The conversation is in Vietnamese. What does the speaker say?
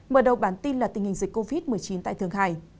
mở đầu bản tin là tình hình dịch covid một mươi chín tại thường hải